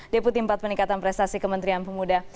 deputi empat peningkatan prestasi kementerian pemuda